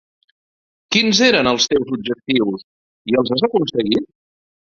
Quins eren els teus objectius? I els has aconseguit?